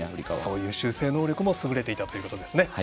そういう修正能力も優れていたということですね。